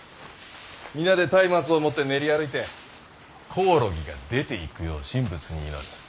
皆で松明を持って練り歩いてコオロギが出ていくよう神仏に祈る。